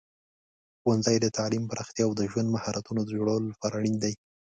ښوونځي د تعلیم پراختیا او د ژوند مهارتونو د جوړولو لپاره اړین دي.